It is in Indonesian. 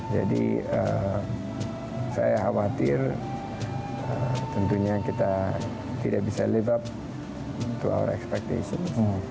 jadi saya khawatir tentunya kita tidak bisa live up to our expectations